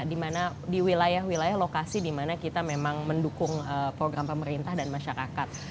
di mana di wilayah wilayah lokasi di mana kita memang mendukung program pemerintah dan masyarakat